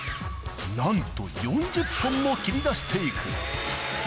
なんと４０本も切りだしていく。